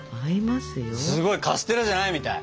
すごいカステラじゃないみたい。